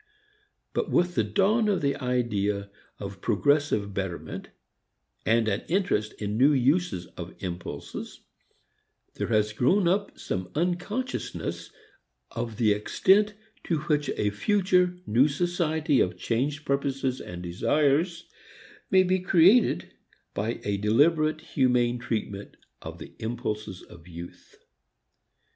But with the dawn of the idea of progressive betterment and an interest in new uses of impulses, there has grown up some consciousness of the extent to which a future new society of changed purposes and desires may be created by a deliberate humane treatment of the impulses of youth.